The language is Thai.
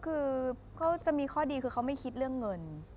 คือก็จะมีข้อดีคือเขาไม่คิดเรื่องเงิน